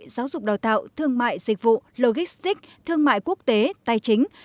giáo dục đào tạo thương mại dịch vụ logistic thương mại quốc tế tài chính